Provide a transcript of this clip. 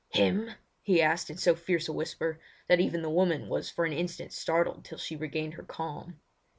"Him?" he asked, in so fierce a whisper that even the woman was for an instant startled till she regained her calm.